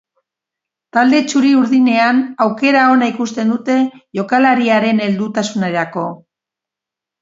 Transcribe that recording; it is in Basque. Talde txuri-urdinean aukera ona ikusten dute jokalariaren heldutasunerako.